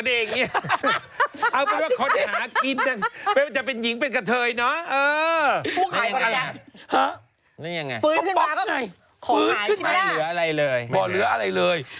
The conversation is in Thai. เอาเหลืออะไรเลย